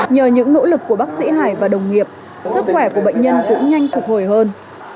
nhờ những nỗ lực của bác sĩ hải và đồng nghiệp sức khỏe của bệnh nhân cũng nhanh phục hồi hơn